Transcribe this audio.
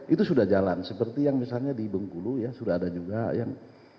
itu sudah jalan seperti yang misalnya di bengkulu ya sudah ada juga yang